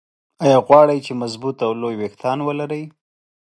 ايا غواړئ چې مضبوط او لوى ويښتان ولرى؟